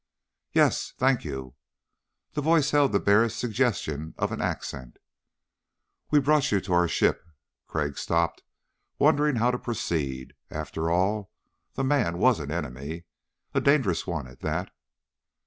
"Yes, thank you." The voice held the barest suggestion of an accent. "We brought you to our ship ..." Crag stopped, wondering how to proceed. After all the man was an enemy. A dangerous one at that.